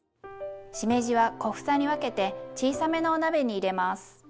しめじは小房に分けて小さめのお鍋に入れます。